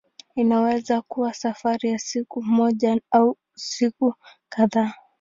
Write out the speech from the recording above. Inaweza kuwa safari ya siku moja au siku kadhaa.